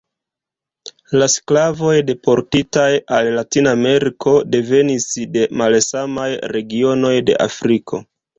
La sklavoj deportitaj al Latinameriko devenis de malsamaj regionoj de Afriko.